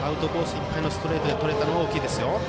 いっぱいのストレートでとれたのは大きいですよ。